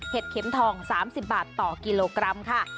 เข็มทอง๓๐บาทต่อกิโลกรัมค่ะ